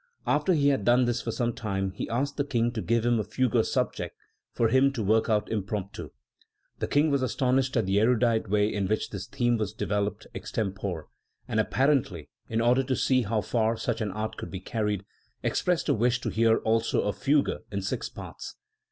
After he had done this for some time, he asked the King to give him a fugue subject, for him to work out impromptu. The King was astonished at the erudite way in which his theme was developed extempore, and, apparently in order to see how far such an art could be carried, expressed a wish to hear also a fugue in six parts.